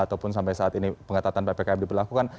ataupun sampai saat ini pengatatan ppkm diperlakukan